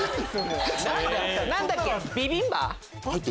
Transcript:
何だっけビビンバ？